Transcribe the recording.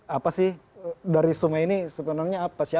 apa sih dari semua ini sebenarnya apa siapa